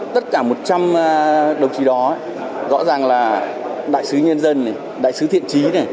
tất cả một trăm linh đồng chí đó rõ ràng là đại sứ nhân dân đại sứ thiện trí